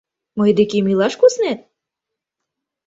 Мый декем илаш куснет?